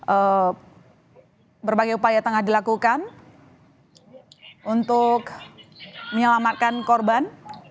ada berbagai upaya yang telah dilakukan untuk menyelamatkan korban